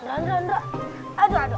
aduh aduh aduh